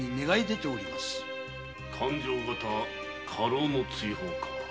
勘定方家老の追放か。